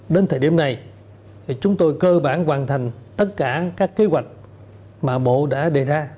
đến thời điểm này chúng tôi cơ bản hoàn thành tất cả các kế hoạch mà bộ đã đề ra